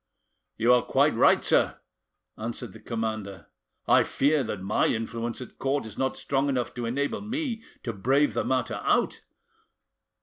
"You are quite right, sir," answered the commander; "I fear that my influence at court is not strong enough to enable me to brave the matter out.